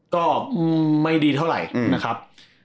ก็ไม่ดีเท่าไหร่นะครับ